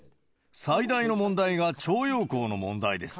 最大の問題が徴用工の問題です。